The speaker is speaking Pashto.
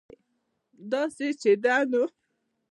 داسې چې ده نو